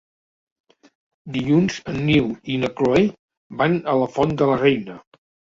Dilluns en Nil i na Cloè van a la Font de la Reina.